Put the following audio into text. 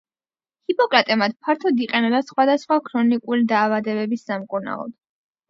ჰიპოკრატე მათ ფართოდ იყენებდა სხვადასხვა ქრონიკული დაავადების სამკურნალოდ.